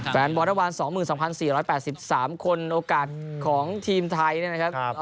แฟนบอลระหว่าง๒๒๔๘๓คนโอกาสของทีมไทยเนี่ยนะครับ